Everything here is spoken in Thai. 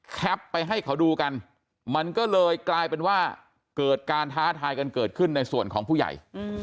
ไปให้เขาดูกันมันก็เลยกลายเป็นว่าเกิดการท้าทายกันเกิดขึ้นในส่วนของผู้ใหญ่